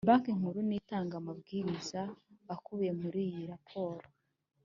Banki Nkuru na itanga amabwiriza akubiye muri iyo raporo